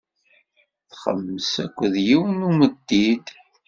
Txemmes akked yiwen n umeddid.